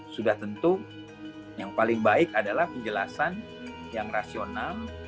sudah tentu yang paling baik adalah penjelasan yang rasional